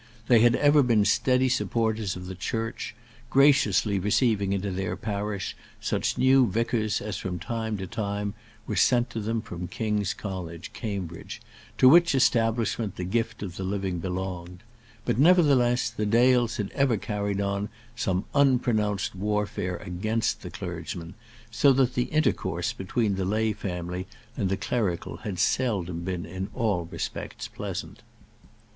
They had ever been steady supporters of the Church, graciously receiving into their parish such new vicars as, from time to time, were sent to them from King's College, Cambridge, to which establishment the gift of the living belonged; but, nevertheless, the Dales had ever carried on some unpronounced warfare against the clergyman, so that the intercourse between the lay family and the clerical had seldom been in all respects pleasant.